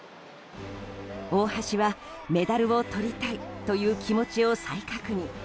大橋はメダルをとりたいという気持ちを再確認。